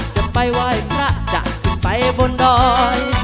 จะไปไหว้พระจะขึ้นไปบนดอย